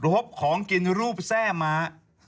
พบของกินรูปแทร่ม้า